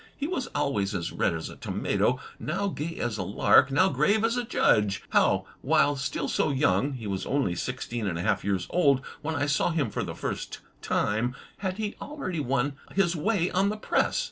He was always as red as a tomato, now gay as a lark, now grave as a judge. How, while still so young — ^he was only sixteen and a half years old when I saw him for the first time — had he already won his way on the press?